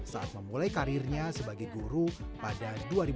saat memulai karirnya sebagai guru pada dua ribu dua